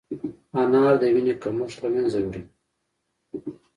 انار د وینې کمښت له منځه وړي.